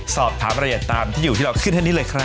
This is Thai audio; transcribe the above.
สอบถามรายละเอียดตามที่อยู่ที่เราขึ้นให้นี่เลยครับ